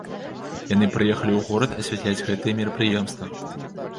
Яны прыехалі ў горад асвятляць гэтае мерапрыемства.